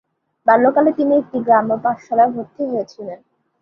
বাল্য কালে তিনি একটি গ্রাম্য পাঠশালায় ভর্তি হয়েছিলেন।